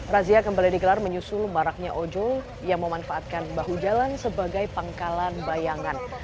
razia kembali digelar menyusul maraknya ojol yang memanfaatkan bahu jalan sebagai pangkalan bayangan